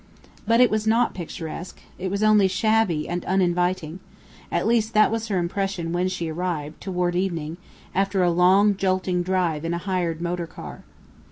But it was not picturesque. It was only shabby and uninviting; at least that was her impression when she arrived, toward evening, after a long, jolting drive in a hired motor car.